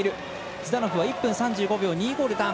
ズダノフは１分３５秒２５でターン。